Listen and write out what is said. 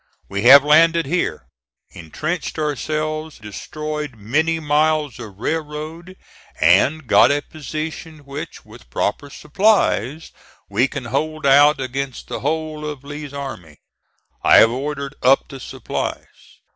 "We have landed here, intrenched ourselves, destroyed many miles of railroad, and got a position which, with proper supplies, we can hold out against the whole of Lee's army. I have ordered up the supplies.